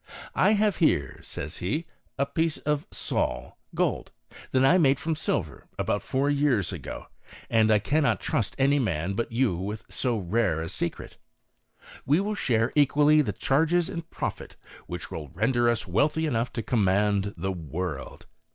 " I have here," says he, " a piece of sol (gold) that I made from silver, about four years ago, and I cannot trust any man but you with so rare a secret. We will share equally the charges and profit, which will render us wealthy enough to command the world."